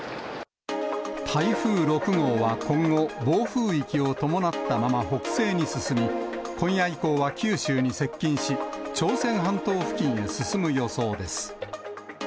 台風６号は今後、暴風域を伴ったまま、北西に進み、今夜以降は九州に接近し、朝鮮半島付近へ進む予想です。